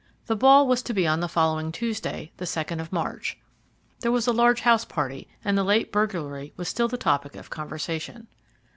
The ball was to be on the following Tuesday, the 2nd of March. There was a large house party, and the late burglary was still the topic of conversation.